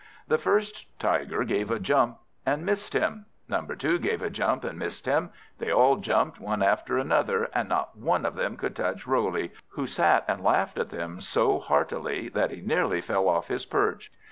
The first Tiger gave a jump, and missed him. Number two gave a jump, and missed him. They all jumped, one after another, and not one of them could touch Roley; who sat and laughed at them so heartily, that he nearly fell off his perch.